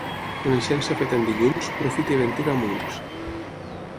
Coneixença feta en dilluns, profit i ventura a munts.